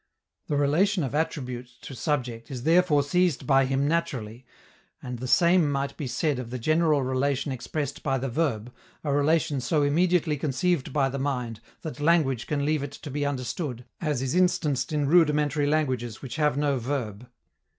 The relation of attribute to subject is therefore seized by him naturally, and the same might be said of the general relation expressed by the verb, a relation so immediately conceived by the mind that language can leave it to be understood, as is instanced in rudimentary languages which have no verb.